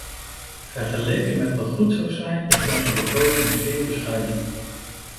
Vergeleken met wat goed zou zijn, is onze begroting zeer bescheiden.